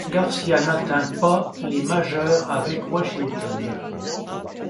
García n'atteint pas les majeures avec Washington.